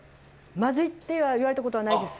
まずいって言われたことはないです。